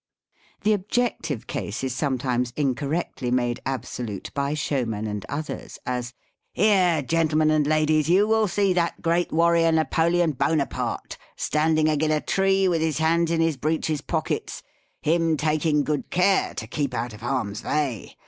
The objective case is sometimes incorrectly made absolute by showmen and others : as, " Here, gentle men and ladies, you will see that great warrior Na poleon Bonaparte, standing agin a tree with his hands in his breeches pockets, him taking good care to keep out of harm's vay.